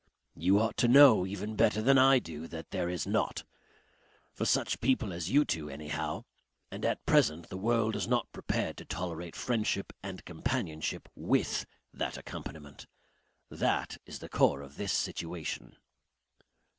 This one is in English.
"You ought to know even better than I do that there is not. For such people as you two anyhow. And at present the world is not prepared to tolerate friendship and companionship WITH that accompaniment. That is the core of this situation."